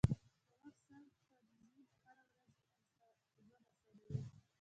د وخت سم تنظیم هره ورځي ژوند اسانوي.